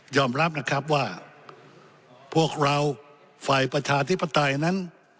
รับนะครับว่าพวกเราฝ่ายประชาธิปไตยนั้น